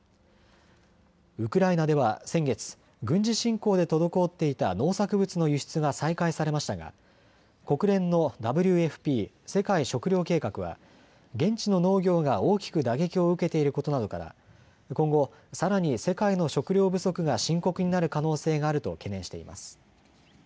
ウクライナでは先月、軍事侵攻で滞っていた農作物の輸出が再開されましたが国連のＷＦＰ・世界食糧計画は現地の農業が大きく打撃を受けていることなどから今後、さらに世界の食料不足が深刻になる可能性があると懸念しています。